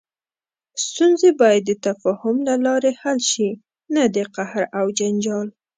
ستونزې باید د تفاهم له لارې حل شي، نه د قهر او جنجال.